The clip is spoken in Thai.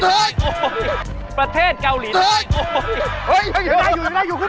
ยังได้อยู่